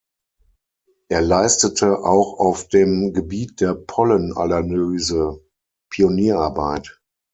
Er leistete auch auf dem Gebiet der Pollenanalyse Pionierarbeit.